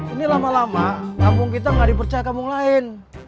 ini lama lama kampung kita nggak dipercaya kampung lain